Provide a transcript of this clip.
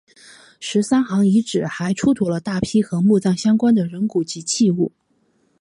十三行遗址还出土了大批和墓葬相关的人骨及器物。